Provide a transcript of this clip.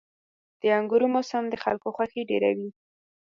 • د انګورو موسم د خلکو خوښي ډېروي.